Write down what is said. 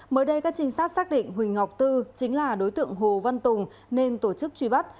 mới đây các trinh sát xác định huỳnh ngọc tư chính là đối tượng hồ văn tùng nên tổ chức truy bắt